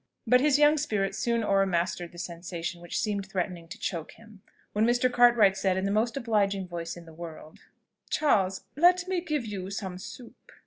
But his young spirit soon o'er mastered the sensation which seemed threatening to choke him, when Mr. Cartwright said in the most obliging voice in the world, "Charles, let me give you some soup."